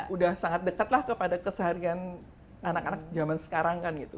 udah sangat dekat lah kepada keseharian anak anak zaman sekarang kan gitu